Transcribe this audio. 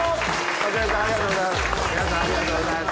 松重さんありがとうございます